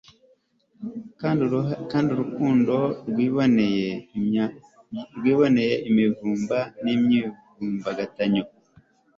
kandi urukundo rwiboneye imivumba n'imivurungano